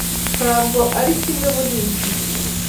Ntabwo ari kimwe muri ibyo.